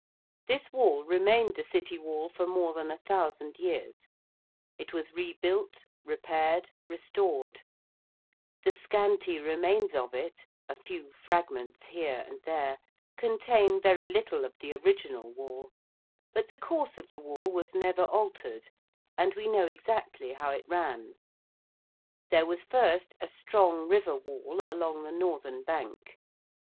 This wall remained the City wall for more than a thousand years; it was rebuilt, repaired, restored; the scanty remains of it a few fragments here and there contain very little of the original wall; but the course of the wall was never altered, and we know exactly how it ran. There was first a strong river wall along the northern bank.